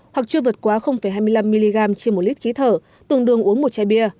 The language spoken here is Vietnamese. hoặc chưa vượt quá hai mươi năm mg trên một lít khí thở tương đương uống một chai bia